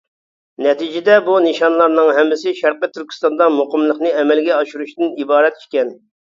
نەتىجىدە بۇ نىشانلارنىڭ ھەممىسى شەرقى تۈركىستاندا مۇقىملىقنى ئەمەلگە ئاشۇرۇشتىن ئىبارەت ئىكەن.